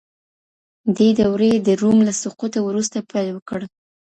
دې دورې د روم له سقوطه وروسته پیل وکړ.